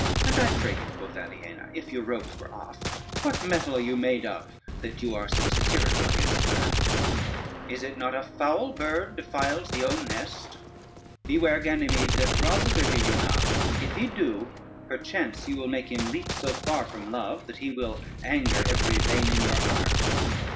"And I pray you," quoth Aliena, "if your robes were off, what mettle are you made of that you are so satirical against women? Is it not a foul bird defiles the own nest? Beware, Ganymede, that Rosader hear you not, if he do, perchance you will make him leap so far from love, that he will anger every vein in your heart."